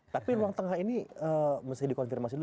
tapi ruang tengah ini mesti dikonfirmasi dulu